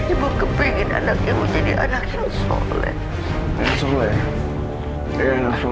ibu kepingin anaknya menjadi anak yang soleh